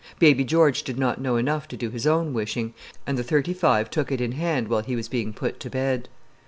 Baby George did not know enough to do his own wishing, and the thirty five took it in hand while he was being put to bed.